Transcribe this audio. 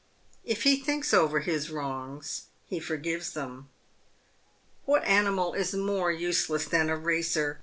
If he thinks over his wrongs, he forgives them. What animal is more useless than a racer